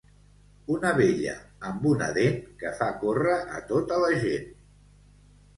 Una vella amb una dent que fa córrer a tota la gent.